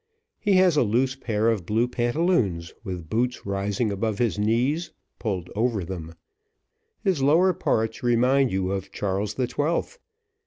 He has a loose pair of blue pantaloons, with boots rising above his knees pulled over them: his lower parts remind you of Charles the Twelfth.